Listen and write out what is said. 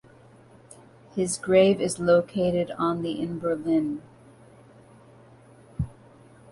His grave is located on the in Berlin.